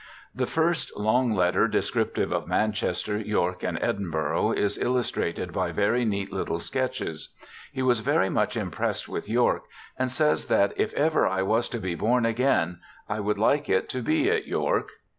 The first long letter, descriptive of Manchester, York, and Edinburgh, is illustrated by very neat little sketches. He was very much impressed with York, and says that ' if ever I was to be born again I would like it to be at York